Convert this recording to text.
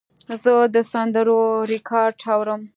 زه د سندرو ریکارډ اورم.